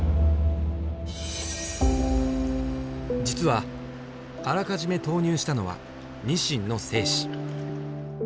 実はあらかじめ投入したのはニシンの精子。